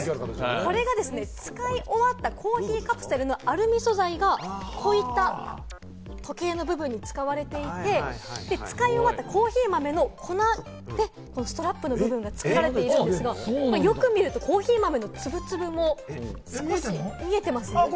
これが使い終わったコーヒーカプセルのアルミ素材が、こういった時計の部分に使われていて、使い終わったコーヒー豆の粉でストラップの部分が作られているんですが、よく見るとコーヒー豆のつぶつぶも見えてますね。